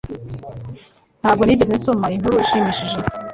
Ntabwo nigeze nsoma inkuru ishimishije.